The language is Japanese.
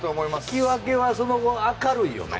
引き分けはその後明るいよね。